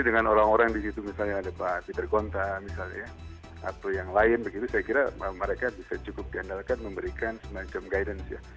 dengan orang orang di situ misalnya ada pak peter gonta misalnya atau yang lain begitu saya kira mereka bisa cukup diandalkan memberikan semacam guidance ya